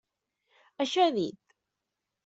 Això he dit.